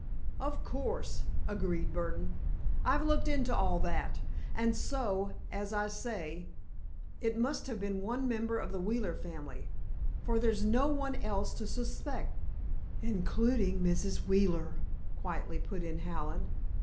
"Of course," agreed Burdon, "I've looked into all that. And so, as I say, it must have been one member of the Wheeler family, for there's no one else to suspect." "Including Mrs. Wheeler," quietly put in Hallen.